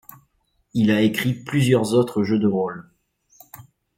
Il a écrit plusieurs autres jeux de rôle.